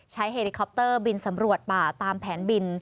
เฮลิคอปเตอร์บินสำรวจป่าตามแผนบิน